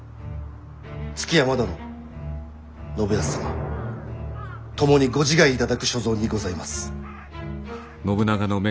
築山殿信康様ともにご自害いただく所存にございます。